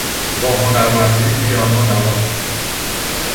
با هنرمندی پیانو نواخت.